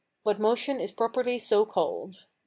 What motion is properly so called.